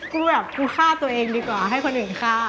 กูแบบกูฆ่าตัวเองดีกว่าให้คนอื่นฆ่า